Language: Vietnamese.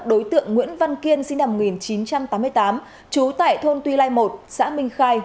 đối tượng nguyễn văn kiên sinh năm một nghìn chín trăm tám mươi tám trú tại thôn tuy lai một xã minh khai